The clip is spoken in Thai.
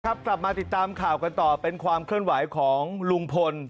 กลับมาติดตามข่าวกันต่อเป็นความเคลื่อนไหวของลุงพล